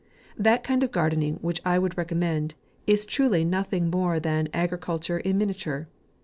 That kind of gardening which I would re commend, is truly nothing more than agri culture in miniature.